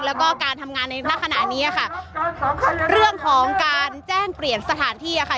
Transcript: แล้วก็การทำงานในลักษณะนี้ค่ะเรื่องของการแจ้งเปลี่ยนสถานที่อ่ะค่ะ